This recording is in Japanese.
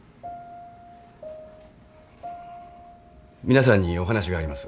皆さんにお話があります。